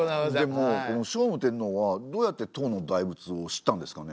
でも聖武天皇はどうやって唐の大仏を知ったんですかね。